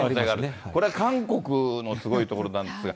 これは韓国のすごいところなんですが。